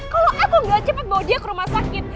kalau aku gak cepet bawa dia ke rumah sakit